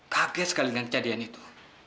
kaget sekali dengan kejadian itu